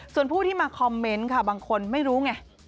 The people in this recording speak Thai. ส่วนผู้ที่มาคอมเมนต์ค่ะบางคนไม่รู้ไง